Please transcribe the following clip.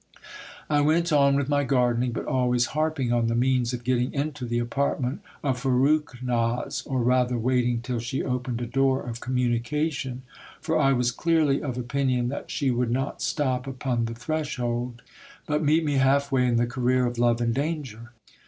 I went on with my gardening, but always harping on the means of getting into the apartment of Farrukhnaz, or rather waiting till she opened a door of com HIST OR Y OF DON RAPHAEL. 1 85 munication ; for I was clearly of opinion that she would not stop upon the threshold, but meet me half way in the career of love and danger.